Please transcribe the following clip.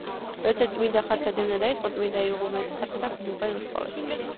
როდესაც წმინდა ხატთა დევნა დაიწყო, წმინდა იღუმენს ხატთა გმობა მოსთხოვეს.